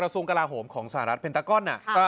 สวงกระหลาโหมของสหรัฐเพนตรากอน